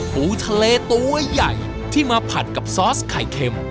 ปูทะเลตัวใหญ่ที่มาผัดกับซอสไข่เค็ม